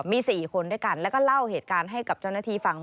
มี๔คนด้วยกันแล้วก็เล่าเหตุการณ์ให้กับเจ้าหน้าที่ฟัง